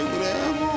もう。